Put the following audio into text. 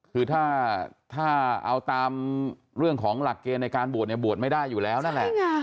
คือถ้าเอาตามเรื่องของหลักเกณฑ์ในการบวชเนี่ยบวชไม่ได้อยู่แล้วนั่นแหละ